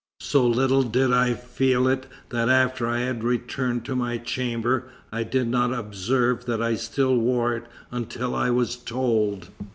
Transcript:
So little did I feel it that after I had returned to my chamber I did not observe that I still wore it until I was told.